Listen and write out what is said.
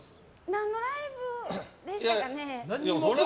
何のライブでしたかね。